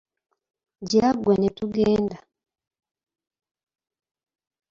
Gira ggwe ne tugenda.